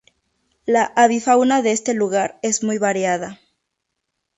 La avifauna de este lugar es muy variada.